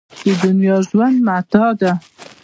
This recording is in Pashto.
د دنیا ژوند متاع ده.